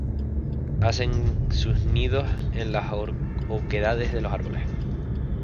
Hacen sus nidos en las oquedades de los árboles.